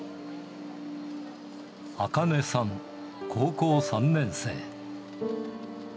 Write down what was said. アカネさん、高校３年生。